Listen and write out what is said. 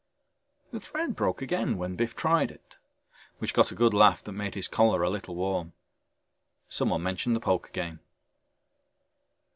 The thread broke again when Biff tried it, which got a good laugh that made his collar a little warm. Someone mentioned the poker game.